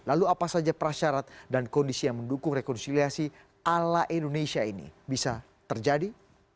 lalu apa saja prasyarat dan kondisi yang mendukung rekonsiliasi ala indonesia ini bisa terjadi